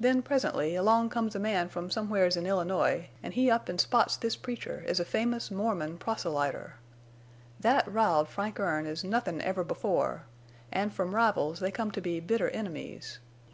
Then, presently, along comes a man from somewheres in Illinois, en' he up an' spots this preacher as a famous Mormon proselyter. That riled Frank Erne as nothin' ever before, an' from rivals they come to be bitter enemies.